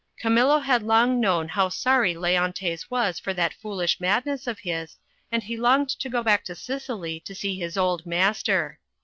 Camillo had long known how sorry Leontes was for that foolish madness of his, and he longed to go back to Sicily to see his old mas ter.